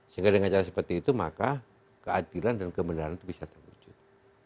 sehingga dengan cara seperti itu maka keadilan dan kebenaran itu bisa terwujud